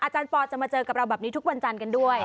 ปอลจะมาเจอกับเราแบบนี้ทุกวันจันทร์กันด้วย